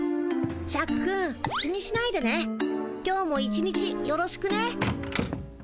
シャクくん気にしないでね今日も一日よろしくね。